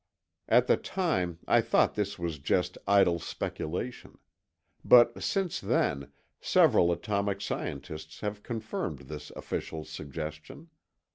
At the time, I thought this was just idle speculation. But since then, several atomic scientists have confirmed this official's suggestion.